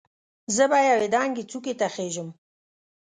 زه به یوې دنګې څوکې ته خېژم.